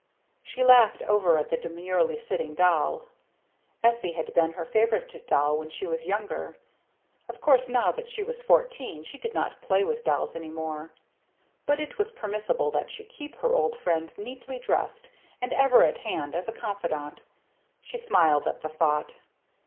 She laughed over at the demurely sitting doll. Essie had been her favorite doll when she was younger. Of course now that she was fourteen she did not play with dolls any more. But it was permissible that she keep her old friend neatly dressed and ever at hand as a confidant. She smiled at the thought.